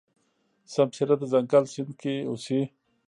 سمسيره د ځنګل سیند کې اوسي.